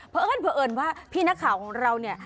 เพราะเอิ้นเผอิญว่าพี่นักข่าวของเราเนี่ย